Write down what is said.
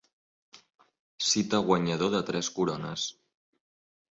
Cita guanyador de tres corones.